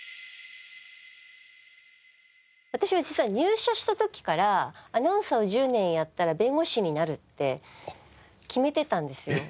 私は実は入社した時からアナウンサーを１０年やったら弁護士になるって決めてたんですよ。